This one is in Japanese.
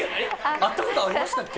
会ったことありましたっけ？